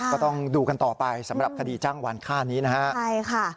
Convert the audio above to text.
ก็ต้องดูกันต่อไปสำหรับคดีจ้างวานค่านี้นะฮะใช่ค่ะ